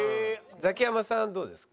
ザキヤマさんはどうですか？